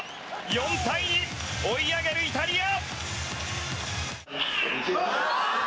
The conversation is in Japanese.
４対２、追い上げるイタリア。